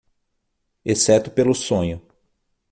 exceto pelo sonho.